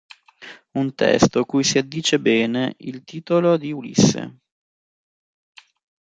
Un testo cui si addice bene il titolo di Ulisse".